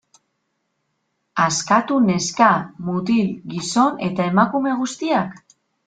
Askatu neska, mutil, gizon eta emakume guztiak?